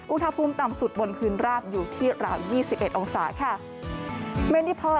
อุณหภูมิต่ำสุดบนพื้นราบอยู่ที่ราว๒๑องศาค่ะ